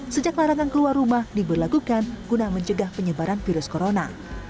sejak larangan keluar rumah diberlakukan guna mencegah penyebaran virus corona